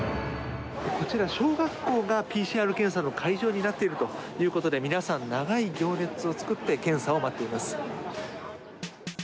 こちら、小学校がＰＣＲ検査の会場になっているということで皆さん長い行列を作って検査を待っています。